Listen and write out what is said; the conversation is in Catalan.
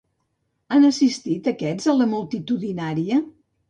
Han assistit aquests a la multitudinària?